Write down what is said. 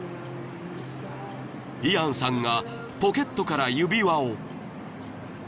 ［イアンさんがポケットから指輪を］